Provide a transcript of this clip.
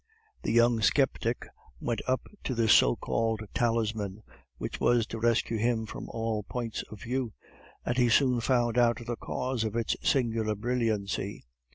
The young sceptic went up to this so called talisman, which was to rescue him from all points of view, and he soon found out the cause of its singular brilliancy.